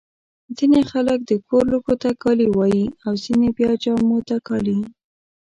ځيني خلک د کور لوښو ته کالي وايي. او ځيني بیا جامو ته کالي.